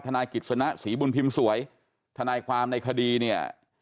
นายกิจสนะศรีบุญพิมพ์สวยทนายความในคดีเนี่ย